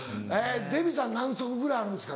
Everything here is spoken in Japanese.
デヴィさん何足ぐらいあるんですか？